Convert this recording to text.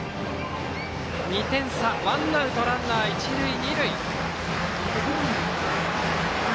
２点差ワンアウトランナー、一塁二塁。